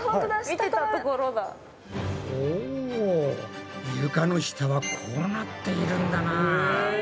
お床の下はこうなっているんだな。